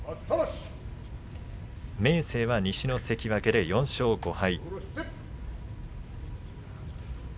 明生は西の関脇で４勝５敗。